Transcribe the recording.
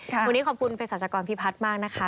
วันนี้ขอบคุณประสาชกรพี่พัทธ์มากนะคะ